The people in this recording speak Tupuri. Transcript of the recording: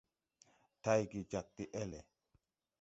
Tayge jag de ele.